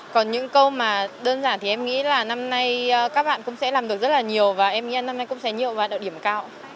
còn những câu mà đơn giản thì em nghĩ là năm nay các bạn cũng sẽ làm được rất là nhiều và em nghĩ năm nay cũng sẽ nhiều vào đội điểm cao